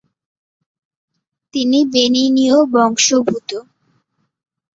তিনি বেনিনীয় বংশোদ্ভূত।